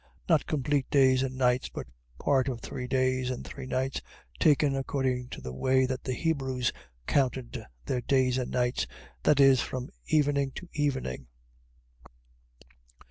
.Not complete days and nights; but part of three days, and three nights taken according to the way that the Hebrews counted their days and nights, viz., from evening to evening.